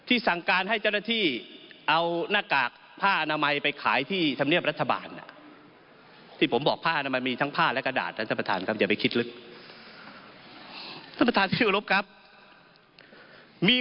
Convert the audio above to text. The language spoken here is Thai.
โอ้โหสำนักนายยกรัฐมนตรี